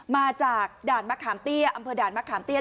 มาจากด่านมะขามเตี้ยอำเภอด่านมะขามเตี้ย